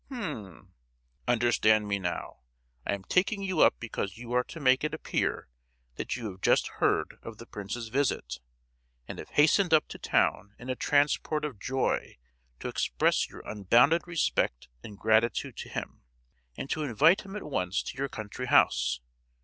"H'm." "Understand me, now. I am taking you up because you are to make it appear that you have just heard of the prince's visit, and have hastened up to town in a transport of joy to express your unbounded respect and gratitude to him, and to invite him at once to your country house!